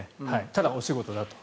ただお仕事だと。